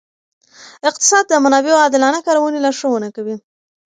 اقتصاد د منابعو عادلانه کارونې لارښوونه کوي.